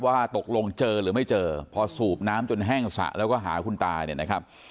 ว่าตกลงเจอหรือไม่เจอพอสูบน้ำจนแห้งสระแล้วก็หาคุณตาเนี่ยนะครับ